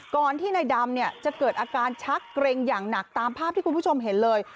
ก่อนที่นายดำเนี่ยจะเกิดอาการชักเกร็งอย่างหนักตามภาพที่คุณผู้ชมเห็นเลย